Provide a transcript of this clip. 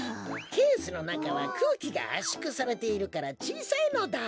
ケースのなかはくうきがあっしゅくされているからちいさいのだ！